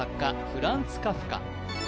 フランツ・カフカ